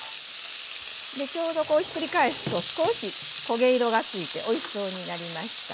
ちょうどこうひっくり返すと少し焦げ色がついておいしそうになりました。